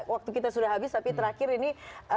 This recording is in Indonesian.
waktu kita sudah habis tapi terakhir ini